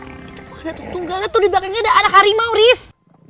itu bukan datuk tunggal itu tuh dibakarnya ada anak rimau tris